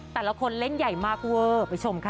แต่ละคนเล่นใหญ่มากเวอร์ไปชมค่ะ